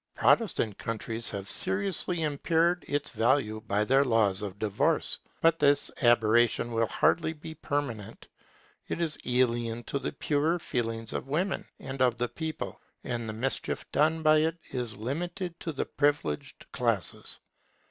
Protestant countries have seriously impaired its value by their laws of divorce. But this aberration will hardly be permanent. It is alien to the purer feelings of women and of the people, and the mischief done by it is limited to the privileged classes.